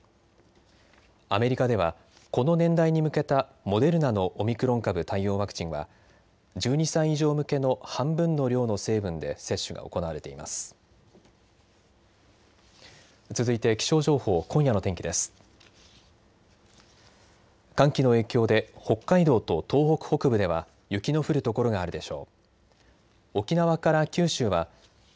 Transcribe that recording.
アメリカではこの年代に向けたモデルナのオミクロン株対応ワクチンは１２歳以上向けの半分の量の成分で接種が行われています。